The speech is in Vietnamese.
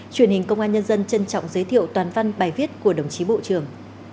truyền hình công an nhân dân trân trọng giới thiệu toàn văn bài viết của đồng chí bộ trưởng